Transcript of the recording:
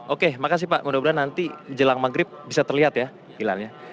oke makasih pak mudah mudahan nanti jelang maghrib bisa terlihat ya hilalnya